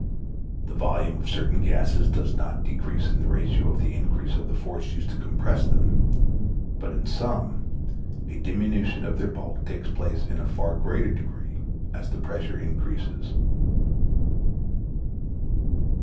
The volume of certain gases does not decrease in the ratio of the increase of the force used to compress them, but in some, a diminution of their bulk takes place in a far greater degree as the pressure increases.